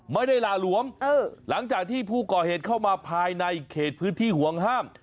หล่าหลวมหลังจากที่ผู้ก่อเหตุเข้ามาภายในเขตพื้นที่ห่วงห้าม